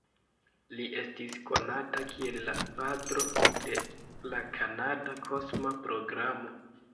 Li estis konata kiel la "Patro de la Kanada Kosma Programo".